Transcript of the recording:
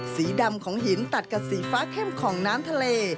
สีดำของหินตัดกับสีฟ้าเข้มของน้ำทะเล